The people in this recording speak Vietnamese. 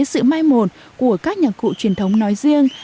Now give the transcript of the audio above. sự mai một của các nhạc cụ truyền thống nói riêng